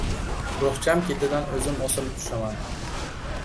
Bo‘xcham ketidan o‘zim osilib tushaman.